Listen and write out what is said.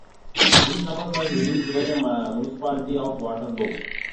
These numbers were released by the municipality of Waterloo.